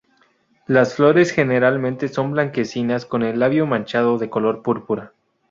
Las flores, generalmente, son blanquecinas, con el labio manchado de color púrpura.